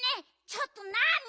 ちょっとなに？